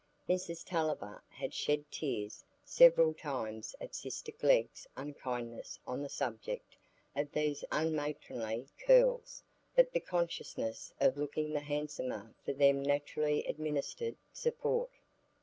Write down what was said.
Mrs Tulliver had shed tears several times at sister Glegg's unkindness on the subject of these unmatronly curls, but the consciousness of looking the handsomer for them naturally administered support.